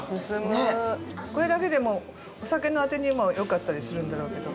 これだけでもお酒のあてにもよかったりするんだろうけど。